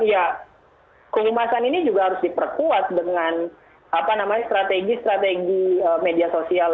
ya kehumasan ini juga harus diperkuat dengan strategi strategi media sosial